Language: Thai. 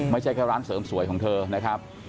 ไม่ใช่แค่ร้านเสริมสวยของเธอนะครับ